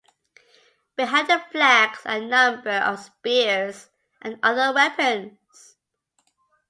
Behind the flags are a number of spears and other weapons.